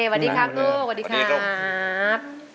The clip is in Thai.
วันนี้ครับลูกวันนี้ครับ